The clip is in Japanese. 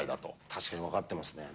確かに分かってますね。